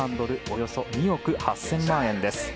およそ２億８０００万円です。